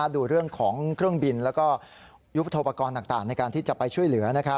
ดูเรื่องของเครื่องบินแล้วก็ยุทธโปรกรณ์ต่างในการที่จะไปช่วยเหลือ